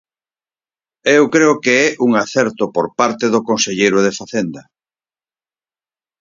Eu creo que é un acerto por parte do conselleiro de Facenda.